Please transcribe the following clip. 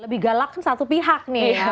lebih galak satu pihak nih